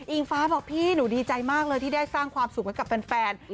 อิงฟ้าบอกพี่หนูดีใจมากเลยที่ได้สร้างความสุขให้กับแฟน